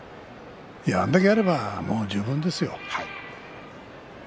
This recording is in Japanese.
あれだけやればもう十分ですよ。